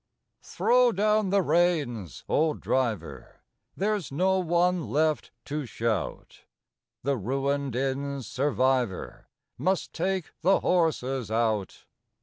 Throw down the reins, old driver there's no one left to shout; The ruined inn's survivor must take the horses out.